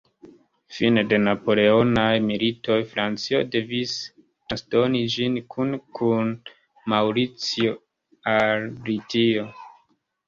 Fine de la Napoleonaj militoj Francio devis transdoni ĝin kune kun Maŭricio al Britio.